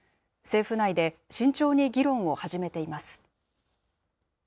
政府内で慎重に議論を始めています。